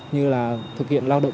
như là thực hiện làm việc